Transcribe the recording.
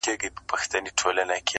جهاني ما دي د خوبونو تعبیرونه کړي،